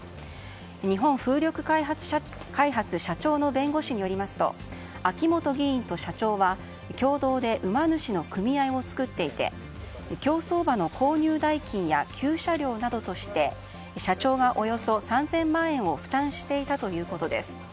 日本風力開発社長の弁護士によりますと秋本議員と社長は共同で馬主の組合を作っていて競走馬の購入代金や厩舎料などとして社長が、およそ３０００万円を負担していたということです。